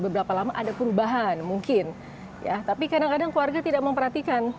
beberapa lama ada perubahan mungkin ya tapi kadang kadang keluarga tidak memperhatikan